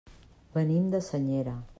Venim de Senyera.